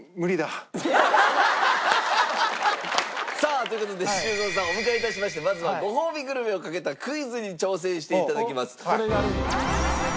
さあという事で修造さんをお迎え致しましてまずはごほうびグルメをかけたクイズに挑戦して頂きます。